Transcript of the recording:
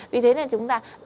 vì thế nên chúng ta